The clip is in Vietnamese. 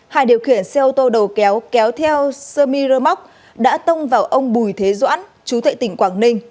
hai điều khiển xe ô tô đầu kéo kéo theo sermiramoc đã tông vào ông bùi thế doãn chú thệ tỉnh quảng ninh